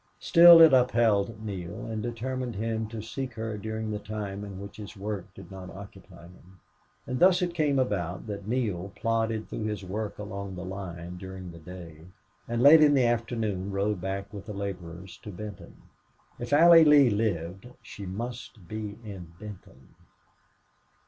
Still, it upheld Neale and determined him to seek her during the time in which his work did not occupy him. And thus it came about that Neale plodded through his work along the line during the day, and late in the afternoon rode back with the laborers to Benton. If Allie Lee lived she must be in Benton.